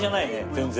全然。